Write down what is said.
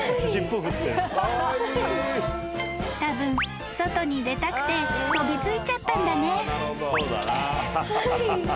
［たぶん外に出たくて飛び付いちゃったんだね］